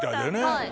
はい。